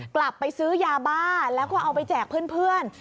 กลับไปซื้อยาบ้าแล้วก็เอาไปแจกเพื่อน